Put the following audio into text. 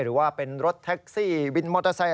หรือว่าเป็นรถแท็กซี่วินมอเตอร์ไซค